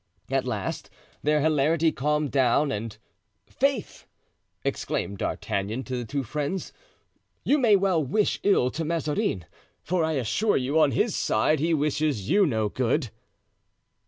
At last their hilarity calmed down and: "Faith!" exclaimed D'Artagnan to the two friends, "you may well wish ill to Mazarin; for I assure you, on his side he wishes you no good."